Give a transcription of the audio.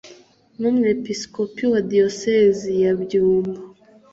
n umwepisikopi wa diyosezi ya byumba